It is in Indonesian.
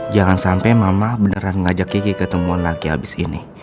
jangan sampai mama beneran ngajak kiki ketemuan lagi abis ini